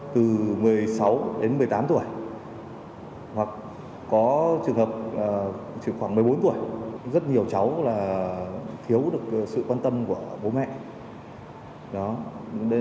từ một mươi sáu đến một mươi tám tuổi hoặc có trường hợp chỉ khoảng một mươi bốn tuổi rất nhiều cháu là thiếu được sự quan tâm của bố mẹ